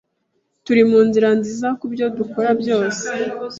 Turi mu nzira nziza kubyo dukora byose